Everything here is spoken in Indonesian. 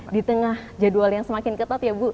di tengah jadwal yang semakin ketat ya bu